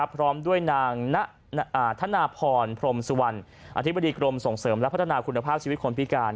พร้อมด้วยนางธนาพรพรมสุวรรณอธิบดีกรมส่งเสริมและพัฒนาคุณภาพชีวิตคนพิการ